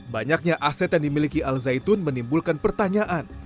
banyaknya aset yang dimiliki al zaitun menimbulkan pertanyaan